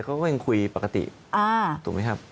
เขาก็ยังคุยปกติถูกไหมครับ